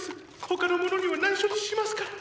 他の者には内緒にしますから！